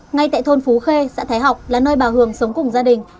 ngay tại thôn phú khê xã thái học là nơi bà hường sống cùng gia đình